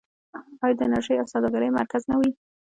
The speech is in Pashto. آیا د انرژۍ او سوداګرۍ مرکز نه وي؟